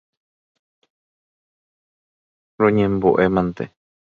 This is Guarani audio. Roñembo'e mante.